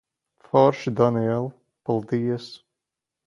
Forši, Daniel. Paldies.